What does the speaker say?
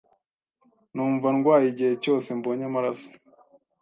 Numva ndwaye igihe cyose mbonye amaraso.